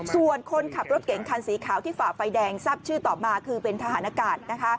ส่วนคนขับรถเก๋งคันสีขาวที่ฝ่าไฟแดงทราบชื่อต่อมาคือเป็นทหารอากาศ